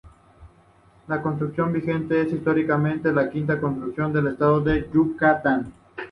La Constitución vigente es históricamente la quinta Constitución del Estado de Yucatán.